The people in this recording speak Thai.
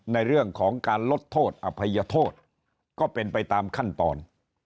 ในเรื่องของการลดโทษอภัยโทษก็เป็นไปตามขั้นตอน